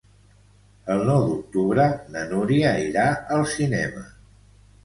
El nou d'octubre na Núria irà al cinema.